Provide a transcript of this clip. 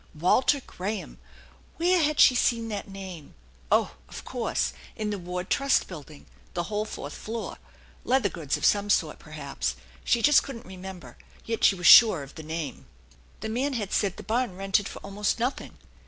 Walter Graham ! Where had she seen that name ? Oh, of course in the Ward Trust Building, the whole fourth floor. Leather goods of some sort, perhaps, she couldn't just remember; yet she was sure of the name. The man had said the barn rented for almost nothing.